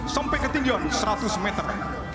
sampai ketinggian seratus meter